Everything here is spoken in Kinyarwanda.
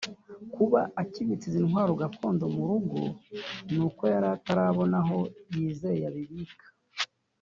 Kuba akibitse izi ntwaro gakondo mu rugo ngo ni uko yari atarabona aho yizeye abibika